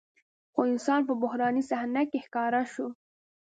خو انسان په بحراني صحنه کې ښکاره شو.